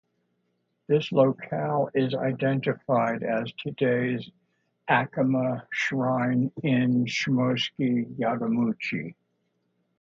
This locale is identifiable as today's Akama Shrine in Shimonoseki, Yamaguchi.